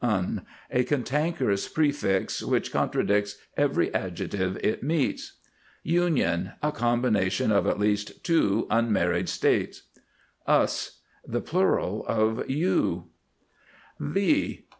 UN. A cantankerous prefix which contradicts every adjective it meets. UNION. A combination of at least two unmarried states. US. The plural of U.